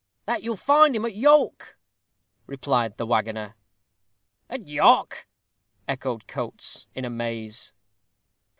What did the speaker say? "That you'll find him at York," replied the waggoner. "At York!" echoed Coates, in amaze.